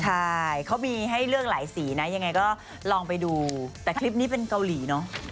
ใช่เขามีให้เลือกหลายสีนะยังไงก็ลองไปดูแต่คลิปนี้เป็นเกาหลีเนอะ